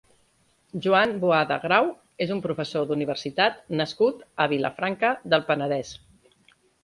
Joan Boada-Grau és un professor d'universitat nascut a Vilafranca del Penedès.